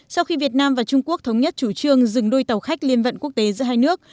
sau khi việt nam và trung quốc thống nhất chủ trương dừng đôi tàu khách liên vận quốc tế giữa hai nước